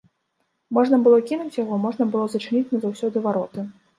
Можна было кінуць яго, можна было зачыніць назаўсёды вароты.